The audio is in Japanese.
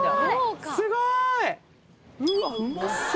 うわうまそう！